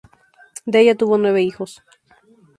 De ella tuvo nueve hijos.